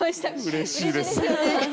うれしいですよね！